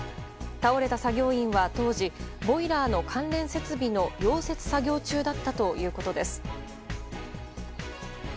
倒れた作業員は当時ボイラーの関連設備の溶接作業中だったということです。